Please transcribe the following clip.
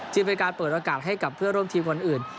จึงเป็นการเปิดโอกาสให้กับเพื่อนร่วมทีมวันอื่น